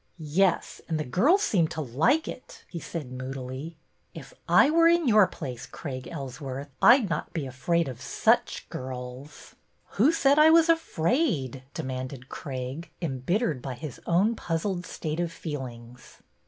Yes, and the girls seem to like it," he said moodily. '' If I were in your place, Craig Ellsworth, I 'd not be afraid of such girls." 102 BETTY BAIRD'S VENTURES ''Who said I was afraid?" demanded Craig, embittered by his own puzzled state of feelings.